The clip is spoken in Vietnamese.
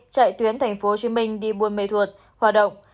chạy tuyến tp hcm đi buôn mê thuột hoạt động